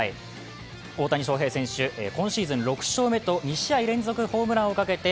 大谷翔平選手、今シーズン６勝目と２試合連続のホームランをかけて